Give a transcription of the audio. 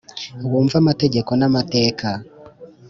wumve amategeko n’ amateka.